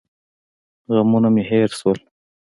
غمونه مې هېر سول.